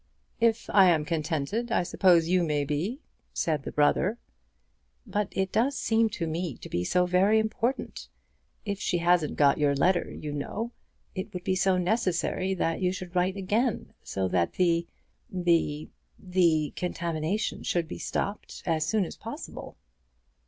"If I am contented I suppose you may be," said the brother. "But it does seem to me to be so very important! If she hasn't got your letter, you know, it would be so necessary that you should write again, so that the the the contamination should be stopped as soon as possible."